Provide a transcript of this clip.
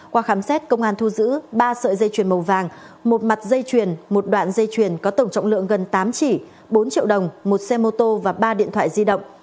qua khám xét công an thu giữ ba sợi dây chuyền màu vàng một mặt dây chuyền một đoạn dây chuyền có tổng trọng lượng gần tám chỉ bốn triệu đồng một xe mô tô và ba điện thoại di động